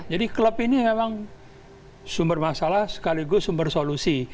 jadi klub ini memang sumber masalah sekaligus sumber solusi